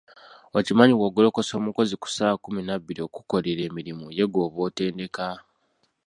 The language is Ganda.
Okimanyi bw'ogolokosa omukozi ku ssaawa kkumi na bbiri okukkolera emirimu ye gw'oba otendeka?